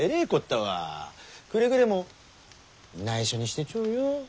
くれぐれもないしょにしてちょよ。